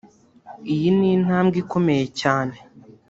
Iyi ni intambwe ikomeye cyane